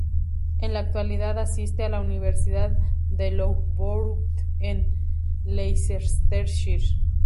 En la actualidad asiste a la Universidad de Loughborough en Leicestershire.